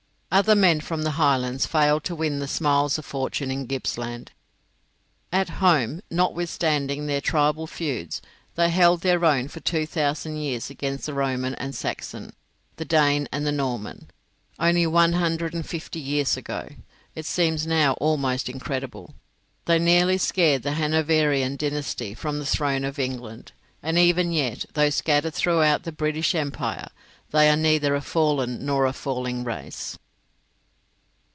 Other men from the Highlands failed to win the smiles of fortune in Gippsland. At home, notwithstanding their tribal feuds, they held their own for two thousand years against the Roman and Saxon, the Dane and the Norman. Only one hundred and fifty years ago (it seems now almost incredible) they nearly scared the Hanoverian dynasty from the throne of England, and even yet, though scattered throughout the British Empire, they are neither a fallen nor a falling race.